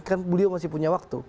kan beliau masih punya waktu